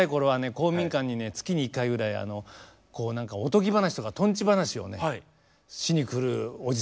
公民館にね月に一回ぐらいこう何かおとぎ話とかとんち話をねしにくるおじさんがいて。